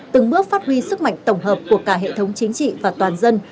từng bước phát huy sức mạnh tổng hợp của cả hệ thống chính trị và toàn dân